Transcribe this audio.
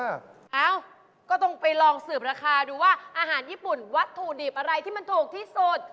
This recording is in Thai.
เอ้าก็ต้องไปลองสืบราคาดูว่าอาหารญี่ปุ่นวัตถุดิบอะไรที่มันถูกที่สุด